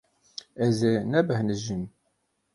Ez ê nebêhnijim.